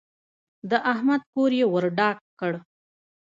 د احمد کور يې ور ډاک کړ.